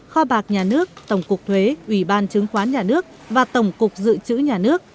kho bạc nhà nước tổng cục thuế ủy ban chứng khoán nhà nước và tổng cục dự trữ nhà nước